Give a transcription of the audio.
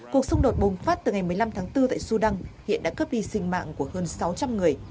cuộc xung đột bùng phát từ ngày một mươi năm tháng bốn tại sudan hiện đã cướp đi sinh mạng của hơn sáu trăm linh người